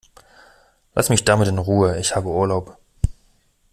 Lass mich damit in Ruhe, ich habe Urlaub!